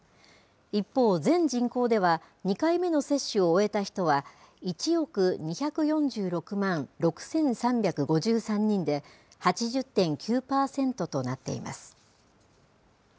一方、全人口では２回目の接種を終えた人は１億２４６万６３５３人で、８０．９％となっています。